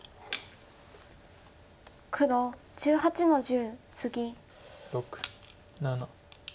黒１８の十ツギ。